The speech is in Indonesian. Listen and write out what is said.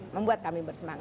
membuat kami bersemangat